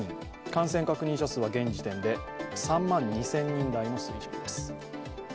感染確認者数は現在で３万２０００人台の数字です。